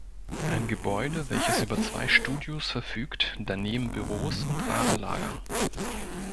Ein Gebäude welches über zwei Studios verfügt, daneben Büros und Warenlager.